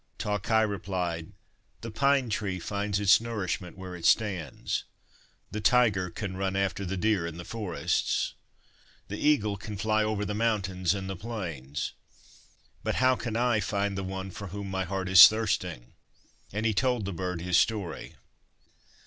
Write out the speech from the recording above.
' Ta Khai replied :' The pine tree finds its nourishment where it stands, the tiger can run after the deer in the forests, the eagle can fly over the mountains and the plains, but how can I find the one for whom my heart is thirsting?' And he told the bird his story.